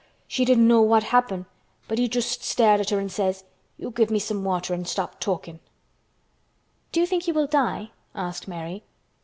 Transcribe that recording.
She didn't know wha'd happen but he just stared at her an' says, 'You give me some water an' stop talkin'.'" "Do you think he will die?" asked Mary.